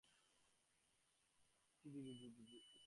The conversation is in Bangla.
আর তার শাসনকাল যে দীর্ঘ হবে, তা বলার অপেক্ষা রাখে না।